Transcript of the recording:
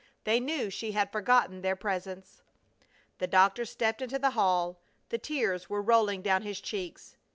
They knew she had forgotten their presence. The doctor stepped into the hall. The tears were rolling down his cheeks.